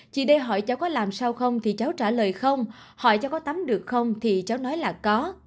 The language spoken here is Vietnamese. chị đê hỏi cháu có làm sao không thì cháu trả lời không hỏi cho có tắm được không thì cháu nói là có